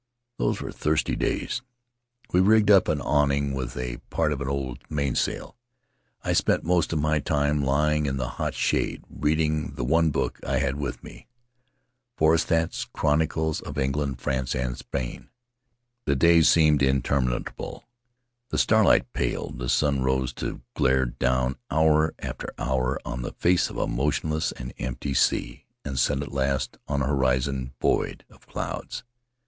Those were thirsty days. We rigged up an awning with part of an old mainsail; I spent most of my time lying in the hot shade, reading the one book I had with me — Froissart's Chronicles of Faery Lands of the South Seas England, France, and Spain. The days seemed in terminable. ... The starlight paled; the sun rose to glare down hour after hour on the face of a motionless and empty sea, and set at last on a horizon void of clouds.